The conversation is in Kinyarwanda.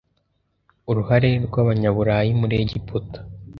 Uruhare rw’Abanyaburayi muri Egiputa